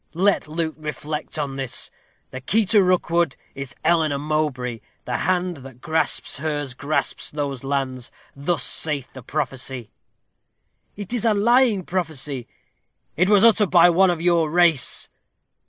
Let Luke reflect on this. The key to Rookwood is Eleanor Mowbray. The hand that grasps hers, grasps those lands; thus saith the prophecy." "It is a lying prophecy." "It was uttered by one of your race."